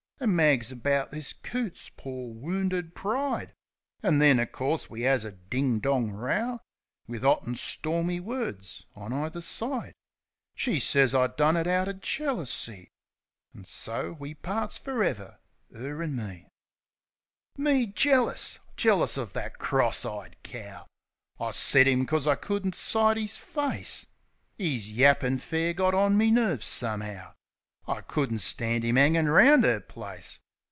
An' mags about this coot's pore, "wounded pride." An' then, o' course, we 'as a ding dong row, Wiv 'ot an' stormy words on either side. She sez I done it outer jealousy. An' so, we parts fer ever — 'er an' me. THE STROR 'AT COOT 51 Me jealous? Jealous of that cross eyed cow ! I set 'im 'cos I couldn't sight 'is face. 'Is yappin' fair got on me nerves, some'ow. T couldn't stand 'im 'angin' round 'er place.